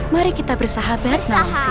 mari kita bersahabat nawang sih